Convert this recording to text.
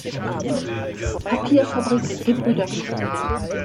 Papierfabrik Gebr.